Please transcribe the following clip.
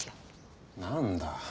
何だ。